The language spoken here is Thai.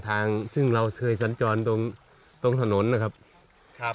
ทางซึ่งเราเคยสัญจรตรงถนนนะครับ